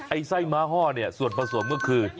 ไอ้ไส้ม้าห้อส่วนผสมก็คือ